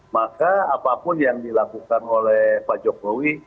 maka apapun yang dilakukan oleh pak jokowi